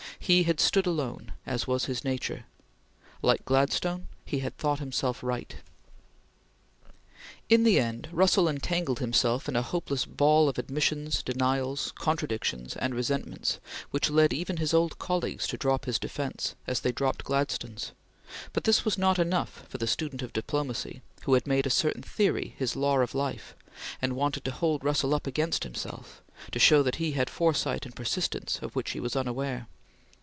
He had stood alone, as was his nature. Like Gladstone, he had thought himself right. In the end, Russell entangled himself in a hopeless ball of admissions, denials, contradictions, and resentments which led even his old colleagues to drop his defence, as they dropped Gladstone's; but this was not enough for the student of diplomacy who had made a certain theory his law of life, and wanted to hold Russell up against himself; to show that he had foresight and persistence of which he was unaware.